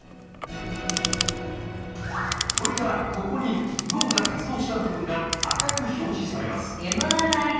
これからここに脳が活動した部分が赤く表示されます。